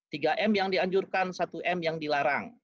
tiga m yang dianjurkan satu m yang dilarang